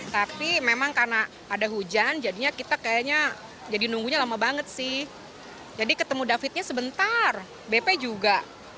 tapi memang karena ada hujan jadinya kita kayaknya jadi nunggunya lama banget sih jadi ketemu davidnya sebentar bp juga